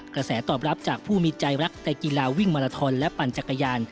กระแสตอบรับจากผู้มีใจรักในกีฬาวิ่งมาราทอนและปั่นจักรยาน